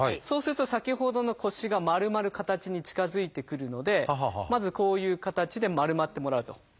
そうすると先ほどの腰が丸まる形に近づいてくるのでまずこういう形で丸まってもらうと。